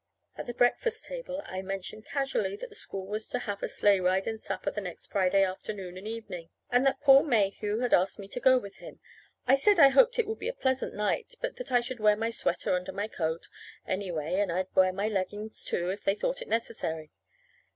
At the breakfast table I mentioned casually that the school was to have a sleigh ride and supper the next Friday afternoon and evening, and that Paul Mayhew had asked me to go with him, I said I hoped it would be a pleasant night, but that I should wear my sweater under my coat, anyway, and I'd wear my leggings, too, if they thought it necessary.